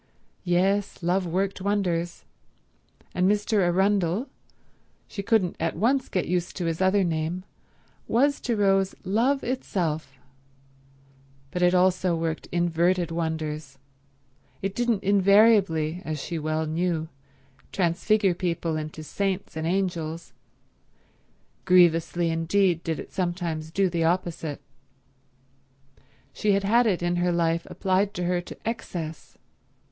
Yes, love worked wonders, and Mr. Arundel—she couldn't at once get used to his other name—was to Rose Love itself; but it also worked inverted wonders, it didn't invariably, as she well knew, transfigure people into saints and angels. Grievously indeed did it sometimes do the opposite. She had had it in her life applied to her to excess.